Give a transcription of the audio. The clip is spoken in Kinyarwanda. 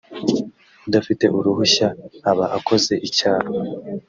udafite uruhushya aba akoze icyaha .